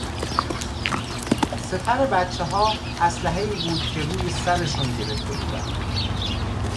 سپر بچهها اسلحهای بود که رو سرشون گرفته بودن